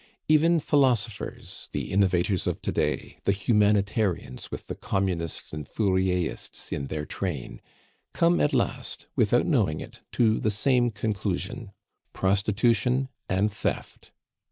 Even philosophers, the innovators of to day, the humanitarians with the communists and Fourierists in their train, come at last, without knowing it, to the same conclusion prostitution and theft.